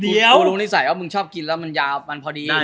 เพราะรู้นิสัยว่ามึงชอบกินแล้วมันยาวมันพอดี